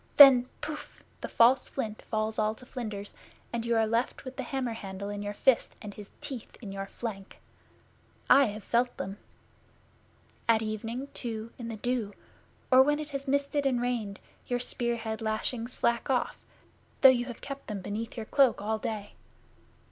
Then Pouf! the false flint falls all to flinders, and you are left with the hammer handle in your fist, and his teeth in your flank! I have felt them. At evening, too, in the dew, or when it has misted and rained, your spear head lashings slack off, though you have kept them beneath your cloak all day.